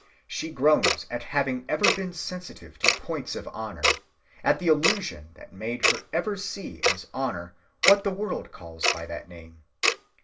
She groans at having ever been sensitive to points of honor, at the illusion that made her ever see as honor what the world calls by that name.